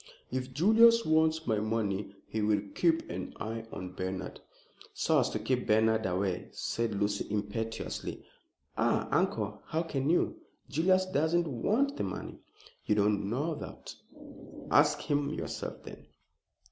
"If Julius wants my money he will keep an eye on Bernard." "So as to keep Bernard away," said Lucy, impetuously. "Ah, uncle, how can you? Julius doesn't want the money " "You don't know that." "Ask him yourself then."